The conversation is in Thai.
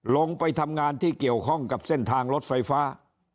ลงไปทำงานที่เกี่ยวข้องกับเส้นทางรถไฟฟ้า